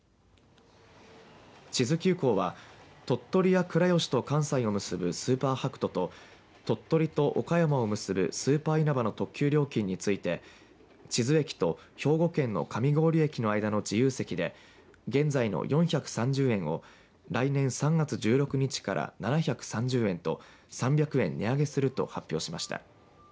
智頭急行は鳥取や倉吉と関西を結ぶスーパーはくとと鳥取と岡山を結ぶスーパーいなばの特急料金について智頭駅と兵庫県の上郡駅の間の自由席で現在の４３０円を来年３月１６日から７３０円と３００円値上げすると発表しました。